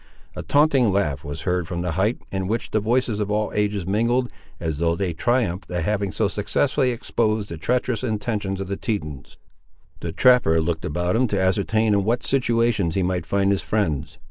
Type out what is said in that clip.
A taunting laugh was heard from the height, in which the voices of all ages mingled, as though they triumphed at having so successfully exposed the treacherous intentions of the Tetons. The trapper looked about him to ascertain in what situations he might find his friends.